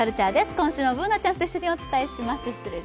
今週もＢｏｏｎａちゃんと一緒にお伝えします。